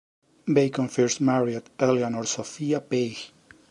Bacon first married Eleanor Sophia Page.